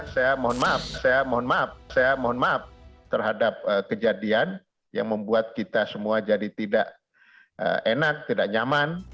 saya mohon maaf saya mohon maaf saya mohon maaf terhadap kejadian yang membuat kita semua jadi tidak enak tidak nyaman